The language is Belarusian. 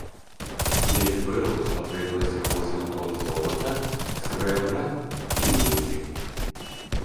Для іх вырабу спатрэбілася восем тон золата, срэбра і медзі.